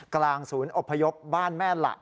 กลางศูนย์อพยพบ้านแม่หละ